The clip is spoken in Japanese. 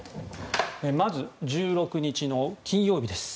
まず１６日の金曜日。